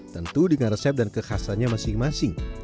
tentu dengan resep dan kekhasannya masing masing